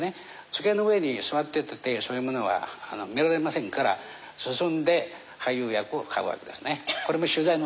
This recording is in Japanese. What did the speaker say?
机の上に座ってたってそういうものは見られませんから進んで俳優役を買うわけですね。